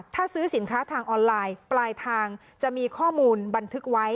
ถ้าซื้อสินค้าทางออนไลน์ปลายทางจะมีข้อมูลบันทึกไว้